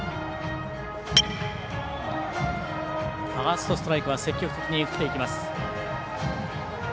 ファーストストライクは積極的に振っていきます。